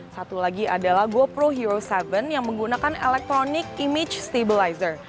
satu lagi adalah gopro hero tujuh yang menggunakan electronic image stabilizer